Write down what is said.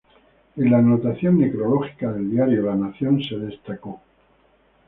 En la nota necrológica del diario ‘’La Nación’’ se destacó que